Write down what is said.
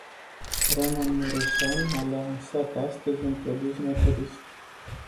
Roman Mureșan a lansat astăzi, un produs naturist.